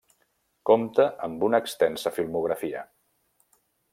Compta amb una extensa filmografia.